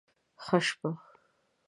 ښه شپه